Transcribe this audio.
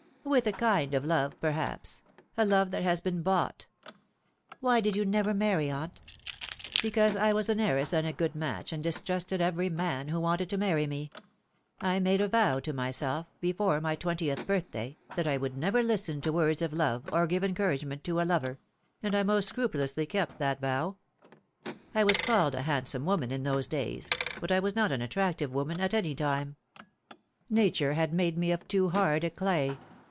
" With a kind of love, perhaps a love that has been bought." " Why did you never marry, aunt ?"" Because I was an heiress and a good match, and distrusted every man who waated to marry me. I made a vow to myself, before my twentieth birthday, that I would never listen to As the Sands Run Down. 303 words of love or give encouragement to a lover ; and I most scrupulously kept that vow. I was called a handsome woman in those days ; but I was not an attractive woman at any time. Nature had 'made me of too hard a clay."